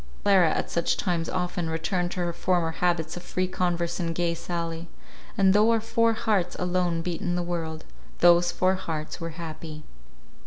Clara at such times often returned to her former habits of free converse and gay sally; and though our four hearts alone beat in the world, those four hearts were happy.